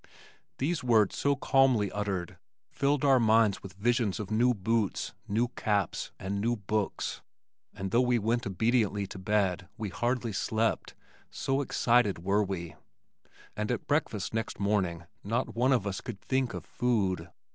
These words so calmly uttered filled our minds with visions of new boots, new caps and new books, and though we went obediently to bed we hardly slept, so excited were we, and at breakfast next morning not one of us could think of food.